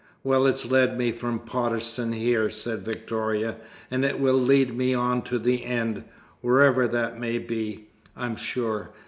"Well, it's led me from Potterston here," said Victoria, "and it will lead me on to the end, wherever that may be, I'm sure.